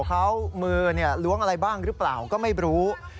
เขามือล้วงอะไรบ้างหรือเปล่าก็ไม่รู้